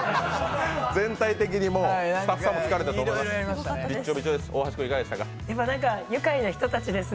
全体的にもう、スタッフさんも疲れたと思います。